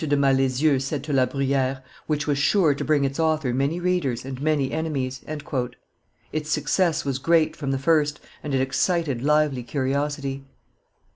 de Malezieux said to La Bruyere, "which was sure to bring its author many readers and many enemies." Its success was great from the first, and it excited lively curiosity.